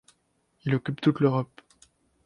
Il occupe toute l'Europe.